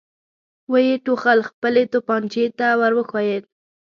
ويې ټوخل، خپلې توپانچې ته ور وښويېد.